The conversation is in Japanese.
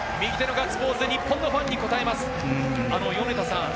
ガッツポーズ、日本のファンに応えます。